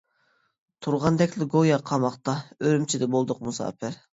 تۇرغاندەكلا گويا قاماقتا، ئۈرۈمچىدە بولدۇق مۇساپىر.